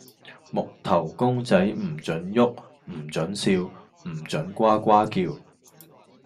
木頭公仔唔准郁，唔准笑，唔准呱呱叫